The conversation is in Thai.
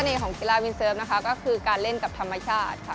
ของกีฬาวินเซิร์ฟนะคะก็คือการเล่นกับธรรมชาติค่ะ